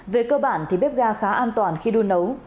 về cơ bản thì bếp ga khá an toàn khi đun nấu